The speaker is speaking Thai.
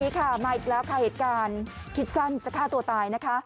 ค่ะมาอีกแล้วค่ะเหตุการณ์คิดสั้นจะฆ่าตัวตายนะคะ